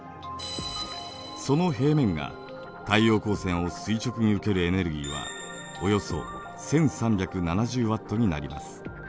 その平面が太陽光線を垂直に受けるエネルギーはおよそ１３７０Ｗになります。